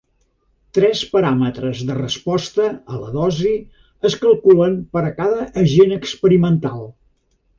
Tres paràmetres de resposta a la dosis es calculen per a cada agent experimental.